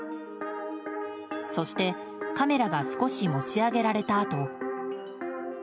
そして、カメラが少し持ち上げられたあと。